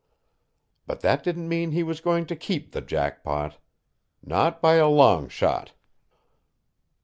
But that didn't mean he was going to keep the jackpot. Not by a long shot.